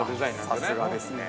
◆さすがですね。